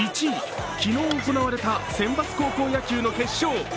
１位、昨日行われた選抜高校野球の決勝。